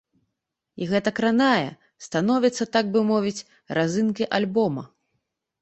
І гэта кранае, становіцца, так бы мовіць, разынкай альбома.